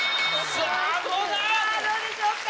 さぁどうでしょうか？